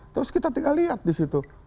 terus kita tinggal lihat di situ